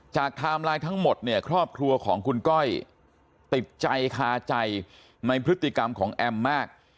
ไทม์ไลน์ทั้งหมดเนี่ยครอบครัวของคุณก้อยติดใจคาใจในพฤติกรรมของแอมมาก